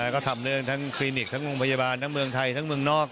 ก็ทำเรื่องทั้งคลินิกทั้งโรงพยาบาลทั้งเมืองไทยทั้งเมืองนอก